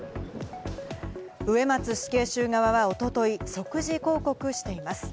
植松死刑囚側は一昨日、即時抗告しています。